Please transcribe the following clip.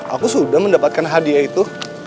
aku sudah mendapatkan hadiah itu